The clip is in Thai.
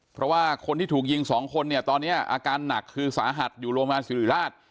เพราะว่าคนที่ถูกยิงสองคนเนี่ยตอนนี้อาการหนักคือสาหัสอยู่โรงพยาบาลสิริราช